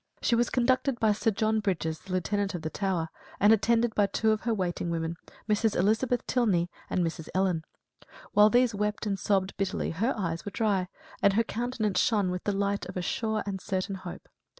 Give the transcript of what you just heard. She was conducted by Sir John Brydges, the Lieutenant of the Tower, and attended by her two waiting women, Mrs. Elizabeth Tylney and Mrs. Ellen. While these wept and sobbed bitterly, her eyes were dry, and her countenance shone with the light of a sure and certain hope.